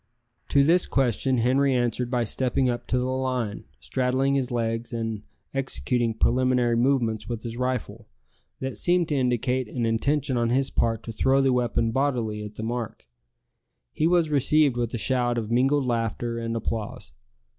To this question Henri answered by stepping up to the line, straddling his legs, and executing preliminary movements with his rifle, that seemed to indicate an intention on his part to throw the weapon bodily at the mark. He was received with a shout of mingled laughter and applause.